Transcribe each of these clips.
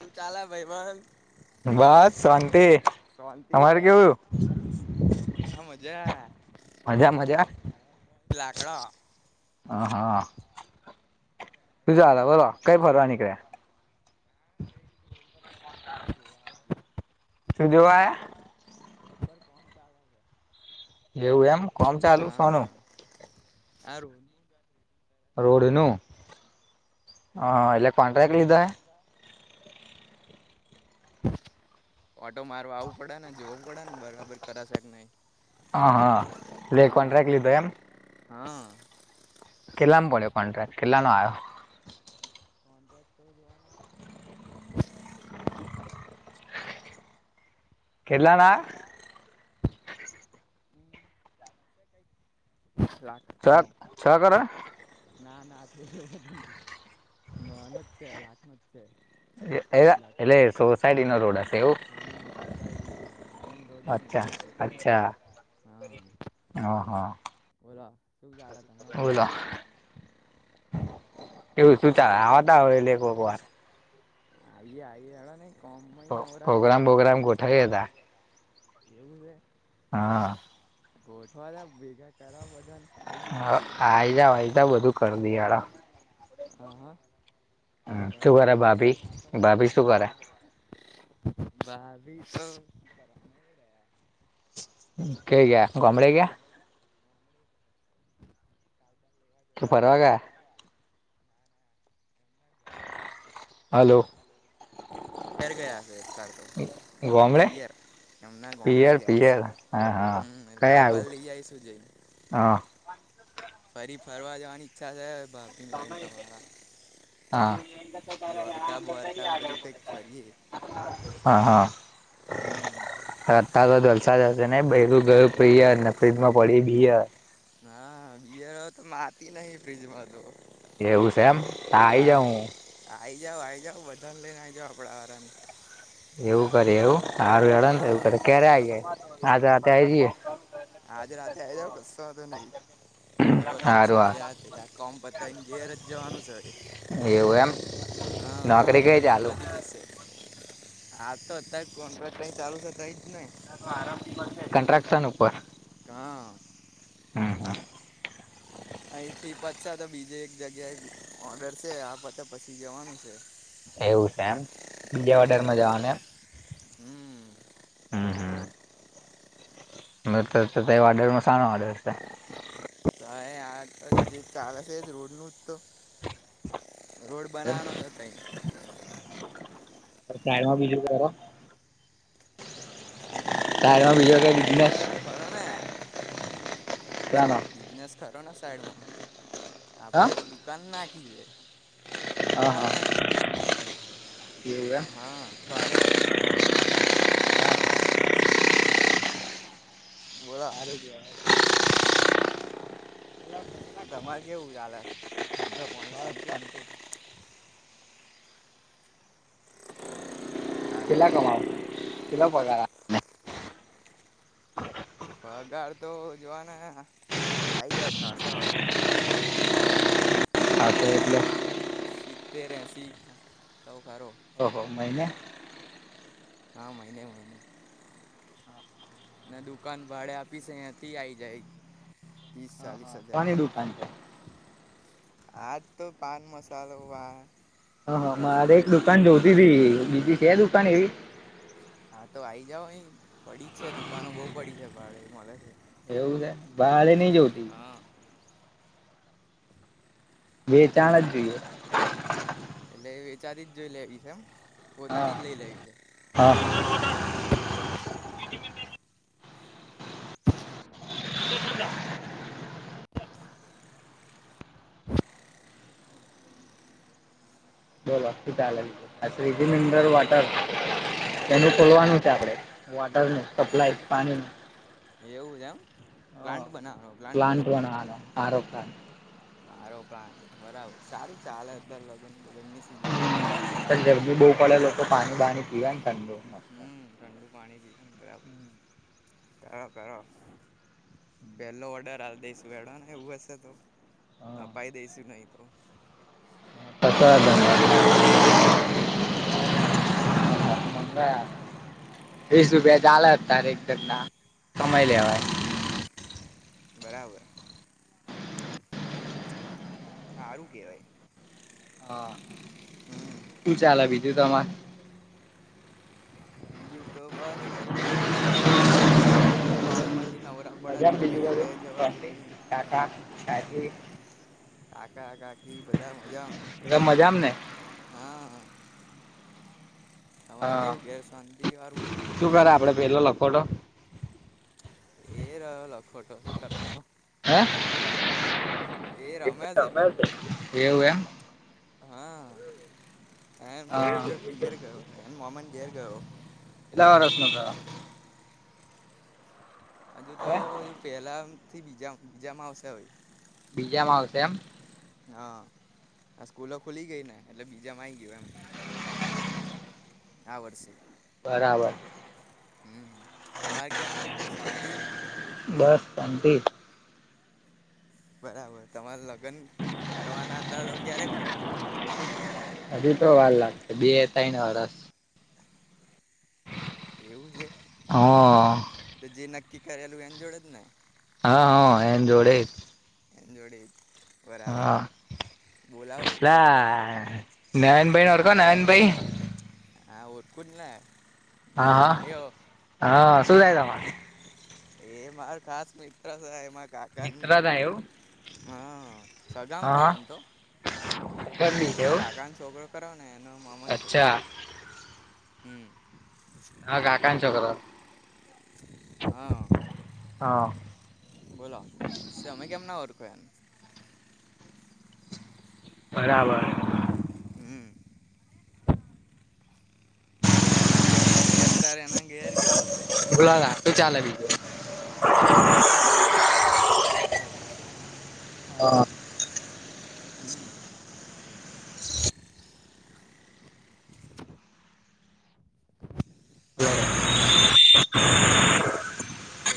શું ચાલે [unintelligible] બસ શાંતિ શાંતિ અમારે ને કેવું. આ મજા મજા મજા [unintelligible] હ હા [unintelligible] બોલો કઈ ફરવા નીકળે. [inaudible] આયા [unintelligible] એવું એમ કોમ ચાલુ સોનું. હારુ. રોડ નું હા એટલે કોન્ટ્રાક્ટ લીધ. ઓટો મારવા આવું પડે ને જોવું પડે ને બરાબર કરાશે કે નહી. હા હા લે હા કોન્ટ્રાક્ટ લીધો એમ. હા. કેટલામ પડ્યો કોન્ટ્રાક્ટ કેટલા નો આવ્યો. કોન્ટેક તો જોવાના કેટલાના [unintelligible] [unintelligible] કરે. ના ના છે એટલો બધું નહી ન ન જ છે લાખ ન જ છે. એક અઢી લાખ નો એટલે સોસાયટી નો રોડ હશે એવું હા સોસાયટી નો મેન રોડ નહી અચ્છા સોસાયટી નો. અચ્છા. હમ્મ. હ હા. બોલો શું ચાલ તમારે શાંતિ. એવું શું ચાલે આવતા હોય [unintelligible] એક વાર. આઈએ આઈએે [unintelligible] નહી કમમાં નવરા નહી પ્રોગ્રામ પડતા ને. [unintelligible] એવું છે. હા. ગોઠવા તા ભેગા કર બધા ને. હા આઈ જા વાઈ જાા બધું કરી દયળ. હ હા શું વરસાદ કરે વરસાદ ભાભી માસમ ભાભી શું વસમ કરે [unintelligible] [unintelligible] ઇકે [unintelligible] ગામ મળે ગયા. રહ્યા [inaudible] જવું [unintelligible] [inaudible] હલો. ઘર ગયા એક કર તો ગામડે પીયર. એમના ગમડી પિયર ગયાસ પિયર હા હા હમ એ કાર કયા બાર લઈ જઈશું જઈ. આવ્યું ફરી ફરવા જવાની. ઈચ્છા છે પણ હા. દ્વારકા બારકા બાજુ કઈક ફરીએે. હા હમ હા ટાલ [unintelligible] હશે ને બયરુ ગયું પ્રિય ને ફ્રિજ માં પડ્યું બિયર હા બિયર તો માતી નહી ફ્રિજમાં તો. એવું છે એમ ત્યા આ આવી જાવ તારે હું. આઈ જાઓ આઈ જાઓ બધાને લઈને આઈ જાઓ આપડા વાળની. એવું કરે એવું હારુંડે ને એવું હા કરે ક્યારે આવી જાય આજે રાતે આઈ જઈએ આજે રાતે આવી જાવ કસો વાંધો નહી નવરાત છે હારું આજે કોમ પતા ઘેર જ જવાનું છે. હારું એવું એમ હા નોકરી વત કઈ લગીન ચાલુ પતી જશે. હા તો અત્યારે કોન્ટ્રાક્ટ ચાલુ છે તઈ જ ને કન્ટ્રાકશન ઉપર હા હમ હમ અહીથી પતશે તો બીજે એક જગ્યાએ ઓર્ડર છે આ પતે પછી જવાનું છે. એવું છે એમ બીજા હમ ઓડરમાં જવાનું એમ. હમ હમ હમ મત તય ઓર્ડરમાં સાનો ઓર્ડર છે. તો એ આ જે ચલે છે રોડનું જ તો. રોડ બનાવાનો જ હતો. સાંઈડમાં બીજું કરો સાઈડમાં બીજો કઈ બિઝનેસ સાઈડમાં ખરો ને. સાનો બિઝનેસ ખરો ને સાઈડ માં હા આપડે દુ કાન નાખીએ હા હા એવુ એમ હા ભાડે આપી છે હા. બોલો હારું કેવાય તમારે કેવું ચાલે ધંધો પોણી શાંતિ કેવાય હાલો કેટલા કમાઓ કેટલો પગાર આ પગાર તો જોવાને આવી જાય ખાસો આવે છે આમ સારો એવો. આતો એટલે સીતેર એસી એવો ખરો ઓહો મહિને. હા મહિને મહિને ને દુકાન ભાડે આપીશ અયાથી આયી જાય ત્રીસ હા ચાલીસ હા હજાર. કોની દુકાન છે આજ તો પાન મસાલો. હા પડીકા મારે એક સિગરેટ દુકાન બિગરેટ જોતી હતી બીજી છે દુકાન એવી. હા તો આ આવી જાાવ અહી પડી જ છે દુકાનો બહુ પડી છે ભાડે મળે છે. એવું છે ભાડે ની જોતી હા બેચાણ જ જોઈએ. એટલે વેચાતી જ જોઈ લેવી છે એમ પોતાની હા જ લઈ લેવી છે. હા કરીએ આડા [unintelligible] મિનરલ વોટર એનું ખોલવાનું છે આપડે વોટરનું સપ્લાય પાણી નું એવું છે એમ પ્લાન્ટ બનાવાનો. પ્લાન્ટ બનોવાનો હારો પ્લાન્ટ મારો પ્લાન બરાબર સારું ચાલે લગનગનની સિઝનમાં બધી બહુ પડે લોકો પાણી બાણી પીવા ઠંડો હમ્મ ઠંડુ પાણી પી ને બરાબર પ પો પેલો ઓર્ડર હાલ દઈસુ એડવાને એવું હશે તો મંગાયા અપાઈ દઈશુ નહી તો [unintelligible] હમ્મ હ [inaudible] વીસ રૂપિયા ચાલે અત્યારે એક જણા કમાય હા લેવાય બરાબર હારું કેવાય હા હમ્મ શું ચાલે બીજું તમારે બીજું તો બસ કઈ નઈ હવે શું કરવાનું આ કોમત કે નવરા પડતું નહીં કહે જવાતું નહીં ટાટા [unintelligible] કાકા કાકી બધા મજા બધા મજામાં ને હા હ તમારે હા કેવું ઘેર શાંતિ વારું બધું શું કરે આપડે પેલો લખો તો એ રહ્યો લખોટો શું કરવાનો હે એ રમે છે [unintelligible] એવું એમ હા એ હા મમ્મી જોડ પિયર ગયો એ મોમા ને ઘેર ગયો કેટલા વારસ નો થયો હજુ તો હે એવું પહેલાં મથી બીજા બીજામાં આવશે હવે બીજામાં આવશે એમ હા સ્કૂલો ખુલી ગઈ ને એટલે બીજા માં આવી ગયો એમ આ વર્ષે બરાબર હમ્મ તમારે કેવું? હુ શાંતિ બસ શાંતિ બરાબર તમારે લગન કરવાના હતા તો ક્યારે કરવાના હજી તો વાર લાગશે બે તયને વરશ એવું છે હા તો જે નક્કી કરેલું એને જોડે જ ને હા હા એને જોડેજ એને જોડે બરાબર બોલાવજો તારે લગ્ન વગનમાં નયન ભાઈ ને ઓરખો નયન ભાઈ ને હા ઓળખું જ ને નયન હા કાઢ્યો હા હા શું થાય તમારે એ મારો ખાસ મિત્ર શે એમાં કાકા મિત્રતા એવું હા સગામા થાય હા આમ તો મારાં એવું કાકા નો છોકરો ખરો ને એનો મામા નો છોકરો અચ્છા હમ હા કાકાનો છોકરો હા હા બોલો શમે કેમના ઓળખો એને બરાબર હમ એ અત્યારે એના ઘેર ગયો શે બોલો શુ ચાલે બીજુ? બીજું તો શાંતિ વારું જ છે, અત્યારે તો શું. હા હમ [inaudible]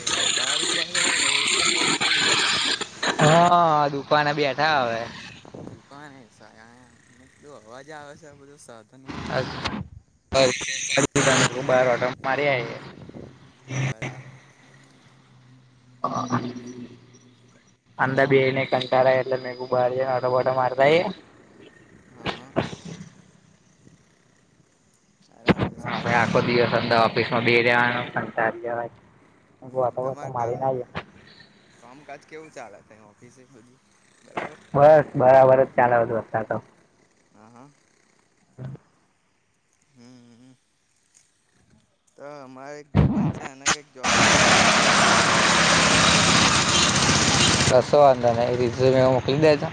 કે બહાર ઉભા સો કે રોડ પર બોર્ડ પર ઉભા સો? હા દુકાને બેઠા હવે કોને સાને કેટલું અવાજે આવે છે, બધું સાધું [unintelligible] બરાબર હા અંદ બેણી કંટરો આય એટલે મેકુ બાર જાય ને આટો બટો મારતા આયે હા-હા બરાબર સારું કહેવાય પણ ત્યાં ઓફિસ માં બેહી રેવાનું કંટારી જાવાય હ તમાર કામ કામકાજ કેવું ચાલે તહી ઓફિસે બધું બરાબર? બસ બરાબર જ ચાલે બધું [unintelligible] હા હા હા હમ તો અમારે એક ભાઈ બન છે, આને કંઈક જોબ બબ માટે તમે ઓફિસમાં વેર પડે તો કરજો સેટિંગ. કસુ વાંધો નઈ એ રીઝ મેમાં મોકલી દેજો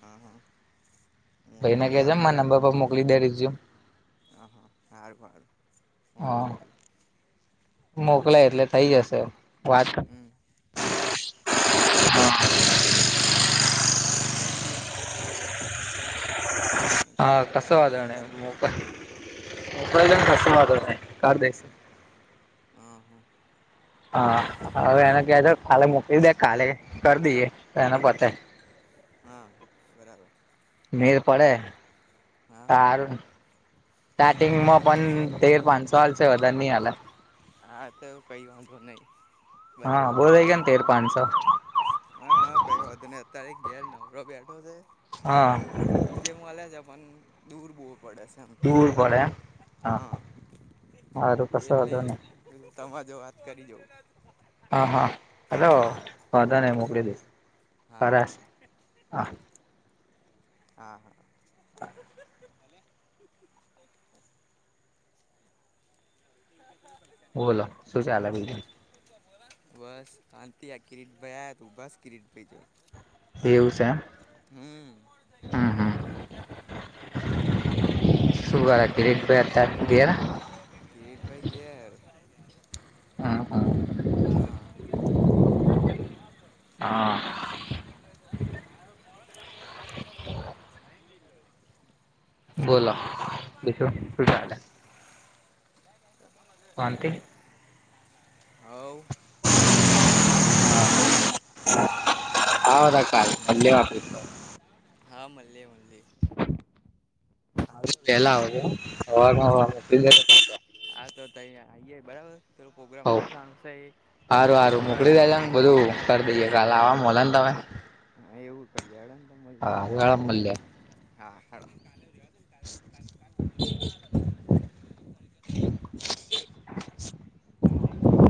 હા-હા ભાઈને કે જે મારા નંબર પર મોકલી દે રિઝયું હ-હા-હ સારુ સારુ મોક્લી આલી મોકલાય એટલે થઈ જશે વાત હમ બરાબર બે ત્રણ દિવસ થી કે કે કરતો હતો મેં હા કીધું કસું હારું હેડો વાંધો અત્યારે નઈ વાત મોકલ કરી લઉં મોકલી જો કસું વાંધો નઈ કર દેશ હા-હા હા હવે એને કેજો કાલે મોકલી દે કાલે કરી દઈએ તો એને પતે હા બરાબર. મેડ પડે હા આરુ હાચી સ્ટાર્ટિંગમાં વાત પણ તેર પાંચસો હાલસે બધારે ની આલે હા તો કઈ વાધો નહી હા બરાબર બો થઈ એટલા ગયા ને તેર પાંચસો હા-હા કઈ વાંધ નહી અત્યારે ઘેર નવરો બેઠો છે. હા જે મલે છે, પણ દૂર બો પડે એમ દૂર પડે એમ હા હારું કશો એટલે વાંધો નહી તમા જો વાત કરીજ હા-હા હલો વાધાને મોકલી દે હા-હા-હા-હા હા [inaudible] બોલો શું ચાલે બીજુ? બસ શાંતિ આ કિરીટ ભાઈ આયા તો ઊભા કિરીટ ભાઈ જો એવું સે. હમ હમ [inaudible] [unintelligible] કિરીટ ભાઈ ઘેર હા હા. ્યા જ ન હા જ સમય [unintelligible] જ જ [unintelligible] બોલો બીજું શું ચાલે? શાંતિ? હવ. હલા. આવદકા પજેવા [unintelligible] હા મળીએ મલ્લીએ. પેલા હવા [unintelligible] હા તો તઈ આઈયે બરાબર. પે પ્રગ્રામ ગોઠવાનુંસ, સારું ફોન કરજો જેવું એવું. લવાવામાંલ ને તમે. હા એવું કરી હડ મલ્લિક હા મળે હા. ત કજ [unintelligible] ચાલે [unintelligible]